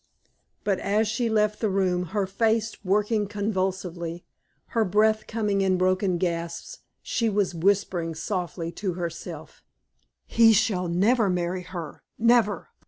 But as she left the room, her face working convulsively, her breath coming in broken gasps, she was whispering softly to herself: "He shall never marry her never!